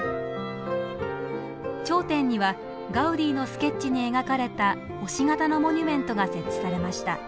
頂点にはガウディのスケッチに描かれた星形のモニュメントが設置されました。